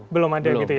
belum ada gitu ya